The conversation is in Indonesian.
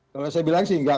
kalau saya bilang sih enggak